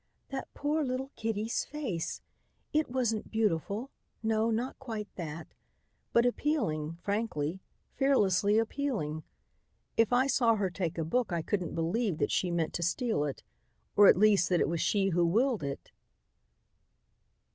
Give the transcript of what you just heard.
"That poor little kiddie's face. It wasn't beautiful, no, not quite that, but appealing, frankly, fearlessly appealing. If I saw her take a book I couldn't believe that she meant to steal it, or at least that it was she who willed it.